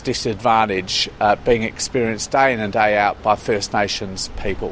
kesehatan pemerintah yang diberikan hari dalam dan hari keluar oleh orang orang dari first nations